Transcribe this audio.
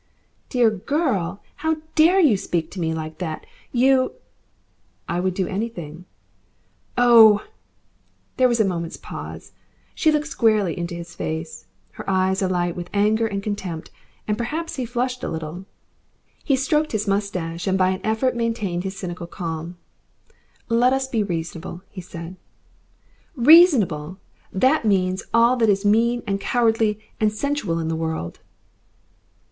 "'Dear girl!' How DARE you speak to me like that? YOU " "I would do anything " "OH!" There was a moment's pause. She looked squarely into his face, her eyes alight with anger and contempt, and perhaps he flushed a little. He stroked his moustache, and by an effort maintained his cynical calm. "Let us be reasonable," he said. "Reasonable! That means all that is mean and cowardly and sensual in the world."